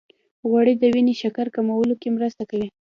غوړې د وینې شکر کمولو کې مرسته کوي.